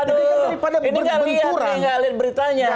ini gak liat nih gak liat beritanya